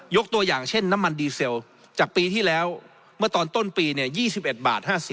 ตัวอย่างเช่นน้ำมันดีเซลจากปีที่แล้วเมื่อตอนต้นปี๒๑บาท๕๐